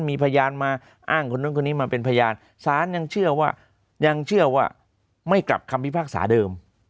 มีพยานมาอ้างคนนู้นคนนี้มาเป็นพยานศาลยังเชื่อว่ายังเชื่อว่าไม่กลับคำพิพากษาเดิม